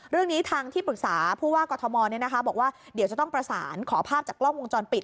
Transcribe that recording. เรื่องนี้ทางที่ปรึกษาผู้ว่ากอทมบอกว่าเดี๋ยวจะต้องประสานขอภาพจากกล้องวงจรปิด